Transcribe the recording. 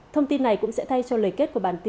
thông tin này cũng sẽ thay cho lời kết của bản tin